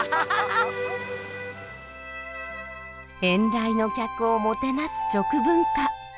遠来の客をもてなす食文化。